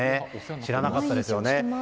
知らなかったですよね。